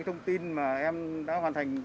thông tin mà em đã hoàn thành